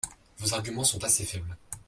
Vos arguments sont assez faibles.